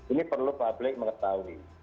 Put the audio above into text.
ini perlu publik mengetahui